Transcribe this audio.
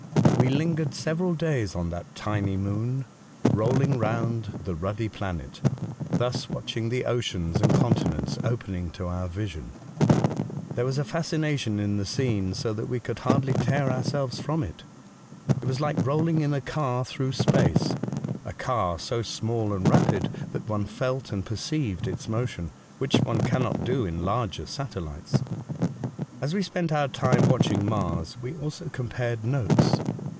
We lingered several days on that tiny moon, rolling round the ruddy planet, thus watching the oceans and continents opening to our vision. There was a fascination in the scene, so that we could hardly tear ourselves from it. It was like rolling in a car through space — a car so small and rapid that one felt and perceived its motion, which one cannot do in larger satellites. As we spent our time watching Mars, we also compared notes.